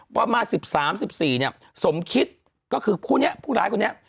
ประมาณสิบสามสิบสี่เนี่ยสมคิตก็คือพวกนี้พวกหลายคนเนี่ย